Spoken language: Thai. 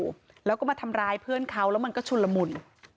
เขาก็มาทำร้ายเพื่อนเขาแล้วมันก็ชุ่นละมุ่น